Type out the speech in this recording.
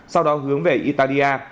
sau đó hướng về italia